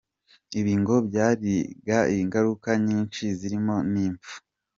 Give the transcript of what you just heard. Ibi ngo byagiraga ingaruka nyinshi zirimo n’impfu.